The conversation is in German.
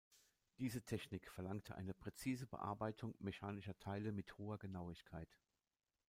Diese Technik verlangte eine präzise Bearbeitung mechanischer Teile mit hoher Genauigkeit.